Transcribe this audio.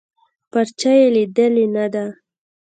پارچه يې ليدلې نده.